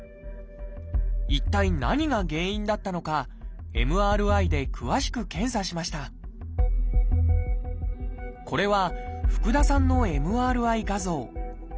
一体何が原因だったのかＭＲＩで詳しく検査しましたこれは福田さんのＭＲＩ画像。